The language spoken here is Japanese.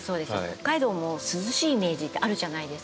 北海道も涼しいイメージってあるじゃないですか。